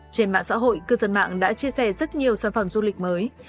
trên mạng xã hội cư dân mạng đã chia sẻ rất nhiều sản phẩm du lịch mới